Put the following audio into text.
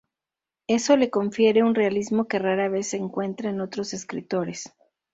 Eso le confiere un realismo que rara vez se encuentra en otros escritores.